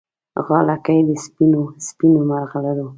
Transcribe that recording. غاړګۍ د سپینو، سپینو مرغلرو